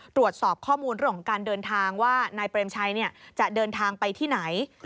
ตรวจสอบข้อมูลเรื่องของการเดินทางว่านายเปรมชัยจะเดินทางไปที่ไหน